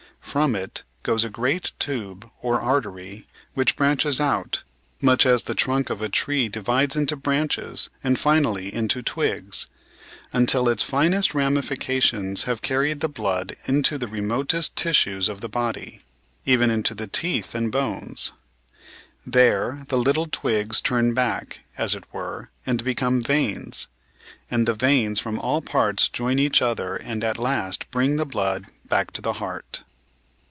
From it goes a great tube, or artery, which branches out — ^much as the trunk of a tree divides into branches, and finally into twigs — ^until its finest ramifications have carried the blood into the remotest tissues of the body, even into the teeth and bones. There the little twigs turn back, as it were, and become veins, and the veins from all parts join each other and at last bring the blood back to the heart.